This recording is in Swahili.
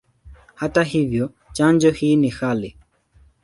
Hata hivyo, chanjo hii ni ghali.